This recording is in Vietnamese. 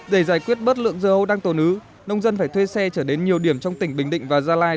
để giải quyết bớt lượng dưa đang tồn ứ nông dân phải thuê xe trở đến nhiều điểm trong tỉnh bình định và gia lai